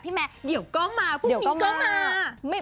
พี่แมะเดี๋ยวก็มาพรุ่งนี้ก็มา